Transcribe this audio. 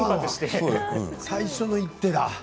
最初の一手が。